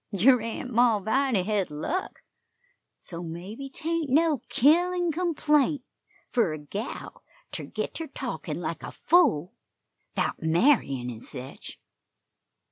Yer Aunt Malviny hed luck, so mebbe 'tain't no killin' complaint fur a gal ter git ter talking like a fool about marryin' an' sech.